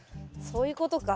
そういうことか。